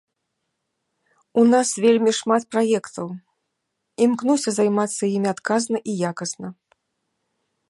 У нас вельмі шмат праектаў, імкнуся займацца імі адказна і якасна.